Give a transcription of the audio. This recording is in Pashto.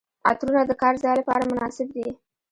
عطرونه د کار ځای لپاره مناسب دي.